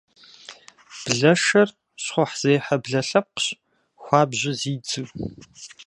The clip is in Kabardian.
Блэшэр щхъухьзехьэ блэ лъэпкъщ, хуабжьу зидзу.